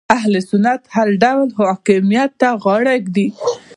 اهل سنت هر ډول حاکمیت ته غاړه ږدي